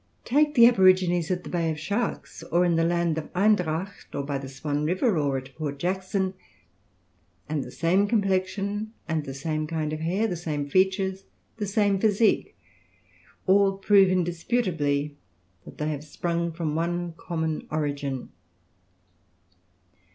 Take the aborigines at the Bay of Sharks, or in the land of Endracht, or by the Swan River, or at Port Jackson, and the same complexion, and the same kind of hair, the same features, the same physique, all prove indisputably that they have sprung from one common origin.